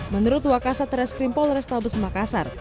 menurut wakasa traskrim polrestabes makassar